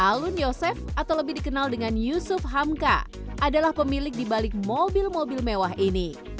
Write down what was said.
alun yosef atau lebih dikenal dengan yusuf hamka adalah pemilik di balik mobil mobil mewah ini